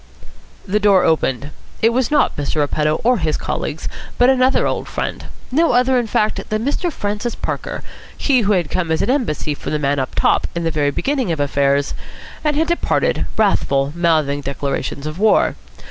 The door opened. It was not Mr. Repetto or his colleagues, but another old friend. No other, in fact, than Mr. Francis Parker, he who had come as an embassy from the man up top in the very beginning of affairs, and had departed, wrathful, mouthing declarations of war.